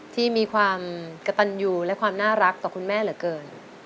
ที่มีความกระตันยูและความน่ารักต่อคุณแม่เหลือเกิน